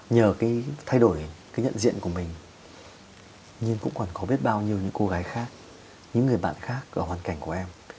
nhờ cái thay đổi cái nhận diện của mình nhưng cũng còn có biết bao nhiêu người người bạn khác ở hoàn cảnh của em